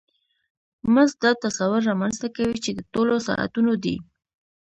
مزد دا تصور رامنځته کوي چې د ټولو ساعتونو دی